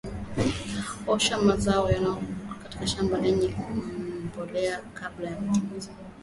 osha mazao yanayotoka katika shamba lenye mbolea kabla ya matumizi